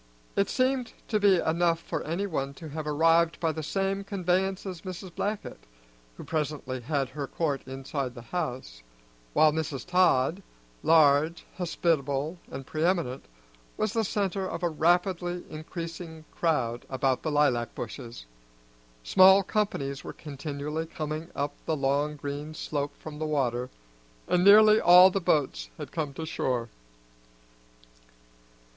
It seemed to be enough for anyone to have arrived by the same conveyance as Mrs. Blackett, who presently had her court inside the house, while Mrs. Todd, large, hospitable, and preeminent, was the centre of a rapidly increasing crowd about the lilac bushes. Small companies were continually coming up the long green slope from the water, and nearly all the boats had come to shore.